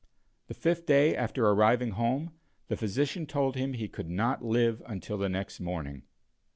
The fifth day after arriving home, the physician told him he could not live until the next morning.